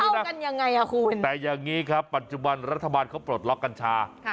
แต่อย่างนี้ครับปัจจุบันรัฐบาลเขาปลดล็อกกัญชา